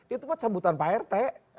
itu kan sambutan prt